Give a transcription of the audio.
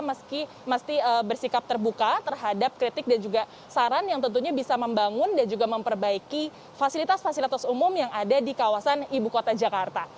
meski bersikap terbuka terhadap kritik dan juga saran yang tentunya bisa membangun dan juga memperbaiki fasilitas fasilitas umum yang ada di kawasan ibu kota jakarta